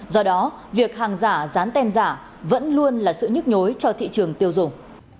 do đó việc hàng giả dán tem giả vẫn luôn là sự nhức nhối cho thị trường tiêu dùng